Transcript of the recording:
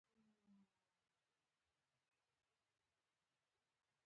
د اعدام سزا چنداني نه ورکول کیږي.